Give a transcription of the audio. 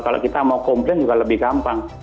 kalau kita mau komplain juga lebih gampang